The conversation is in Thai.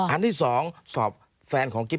อันที่๒สอบแฟนของกิ๊บ